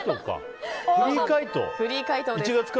フリー解答か。